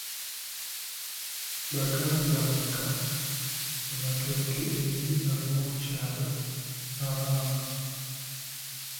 Baagabanga amatooke eri ab’okukyalo abaavu.